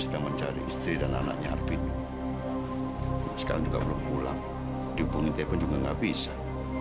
teman cari istri dan anaknya arvin sekarang juga belum pulang dihubungin telepon juga enggak bisa